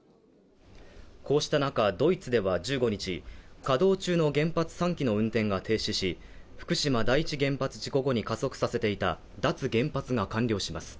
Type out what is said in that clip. こうした中ドイツでは１５日稼働中の原発３基の運転が停止し福島第一原発事故後に加速させていた脱原発が完了します。